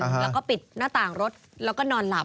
แล้วก็ปิดหน้าต่างรถแล้วก็นอนหลับ